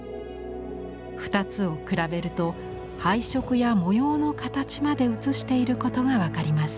２つを比べると配色や模様の形まで写していることが分かります。